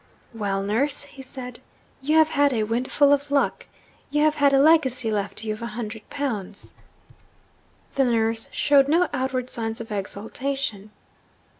'Well, nurse,' he said, 'you have had a windfall of luck. You have had a legacy left you of a hundred pounds.' The nurse showed no outward signs of exultation.